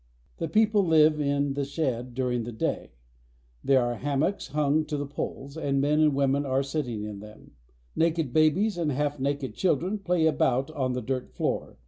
The people live in the shed during the day. There are hammocks hung to the poles, and men and women are "What a rude hut it is 1" sitting in them. Naked babies and half naked children play about on the dirt floor.